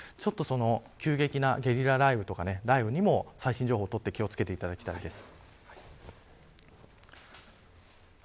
急激なゲリラ雷雨とか最新情報を見て気を付けていただきたいです。